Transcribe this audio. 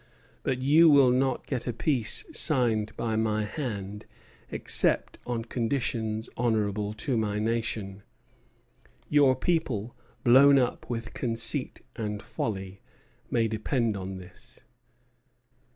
But you will not get a peace signed by my hand except on conditions honorable to my nation. Your people, blown up with conceit and folly, may depend on this."